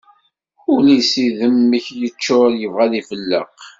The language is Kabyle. Ul-is idemmek yeččur yebɣa ad ifelleq.